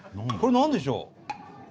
これ何でしょう？